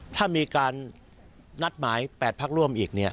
ถ้ามีการนัดหมาย๘ภักดิ์ร่วมอีก